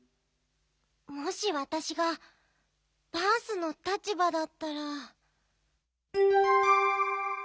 もしわたしがバースの立ばだったら。